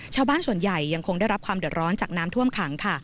ชาวบ้านส่วนใหญ่ยังคงได้รับความเดือดร้อนจากน้ำท่วมขังค่ะ